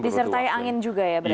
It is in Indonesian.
disertai angin juga ya berarti